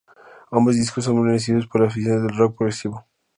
Ambos discos son bien recibidos por los aficionados al rock progresivo.